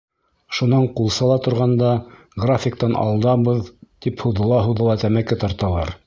Шунан ҡулсала торғанда, графиктан алдабыҙ, тип һуҙыла-һуҙыла тәмәке тарталар.